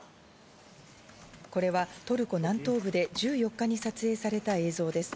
これはトルコ南東部で１４日に撮影された映像です。